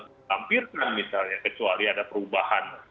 ditampirkan misalnya kecuali ada perubahan